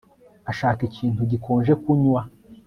Ashaka ikintu gikonje kunywa